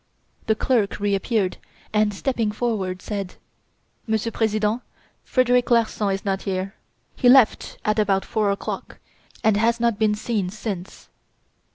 The clerk re appeared and, stepping forward, said: "Monsieur President, Frederic Larsan is not here. He left at about four o'clock and has not been seen since."